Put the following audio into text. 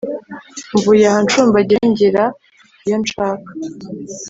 Mvuye aha nshumbagira ngera iyo nshaka